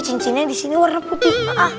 cincinnya di sini warna putih